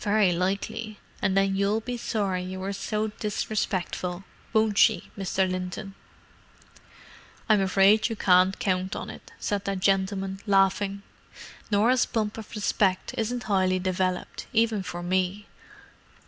"Very likely, and then you'll be sorry you were so disrespectful, won't she, Mr. Linton?" "I'm afraid you can't count on it," said that gentleman, laughing. "Norah's bump of respect isn't highly developed, even for me.